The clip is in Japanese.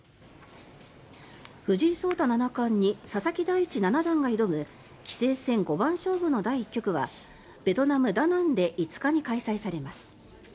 藤井聡太七冠に佐々木大地七段が挑む棋聖戦五番勝負の第１局はベトナム・ダナンで５日に開催されます。